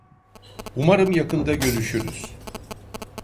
Umarım yakında görüşürüz.